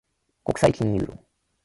国際金融論